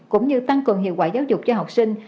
cũng như tăng cường hiệu quả giáo dục cho học sinh